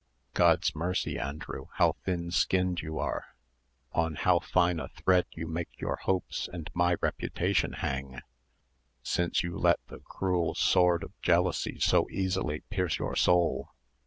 "God's mercy, Andrew, how thin skinned you are! On how fine a thread you make your hopes and my reputation hang, since you let the cruel sword of jealousy so easily pierce your soul.